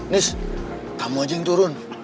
nes kamu aja yang turun